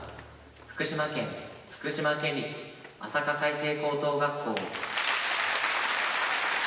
福島県福島県立あさか開成高等学校。